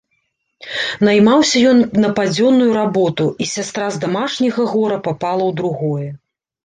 Наймаўся ён на падзённую работу, і сястра з дамашняга гора папала ў другое.